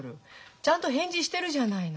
ちゃんと返事してるじゃないの。